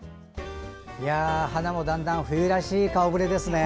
花もだんだん冬らしい顔ぶれですね。